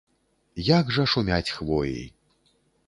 Як жа шумяць хвоі!